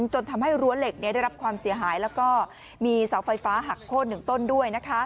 จนทำให้รั้วเหล็กได้รับความเสียหายแล้วก็มีเสาไฟฟ้าหักโค้น๑ต้นด้วย